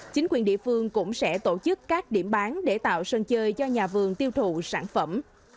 chính quyền địa phương cũng sẽ tổ chức các điểm bán để tạo sân chơi cho nhà vườn tiêu thụ sản phẩm